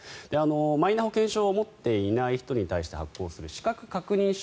マイナ保険証を持っていない人に対して発行する資格確認書。